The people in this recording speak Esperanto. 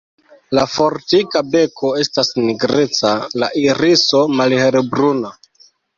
La fortika beko estas nigreca, la iriso malhelbruna.